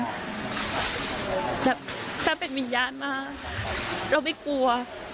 พร้อมหน่าถ้าเป็นแม่มิญญาณมาเราไม่กลัว